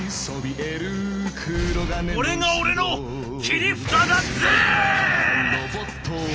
これが俺の切り札だＺ！」。